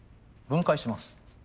分解します。